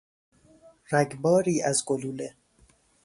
رگباری از گلوله